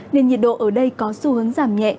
nên nhiệt độ ở đây có xu hướng giảm nhẹ